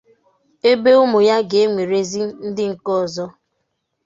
ebe ụmụ ya ga-enwerezị ndị nke ọzọ